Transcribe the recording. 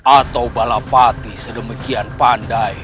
atau balapati sedemikian pandai